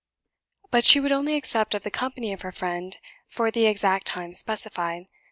But she would only accept of the company of her friend for the exact time specified.